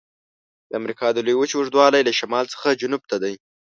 د امریکا د لویې وچې اوږدوالی له شمال څخه جنوب ته دی.